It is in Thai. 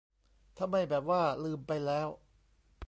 ถ้าไม่ แบบว่าลืมไปแล้ว